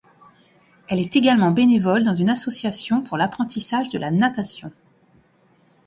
Elle est également bénévole dans une association pour l'apprentissage de la natation.